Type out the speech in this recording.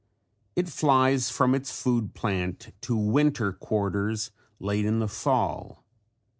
It flies from its food plant to winter quarters late in the fall.